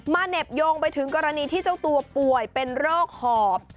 เหน็บโยงไปถึงกรณีที่เจ้าตัวป่วยเป็นโรคหอบ